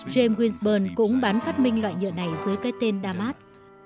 james winsburn cũng bán phát minh loại nhựa này dưới cái tên damat